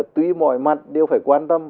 tuy mọi mặt đều phải quan tâm